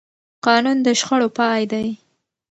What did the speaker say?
قانون د شخړو پای دی